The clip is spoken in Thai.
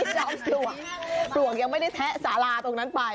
จอมปลวกปลวกยังไม่ได้แทะสาราตรงนั้นไป